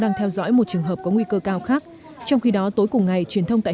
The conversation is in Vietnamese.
đang theo dõi một trường hợp có nguy cơ cao khác trong khi đó tối cùng ngày truyền thông tại